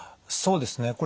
そうですね。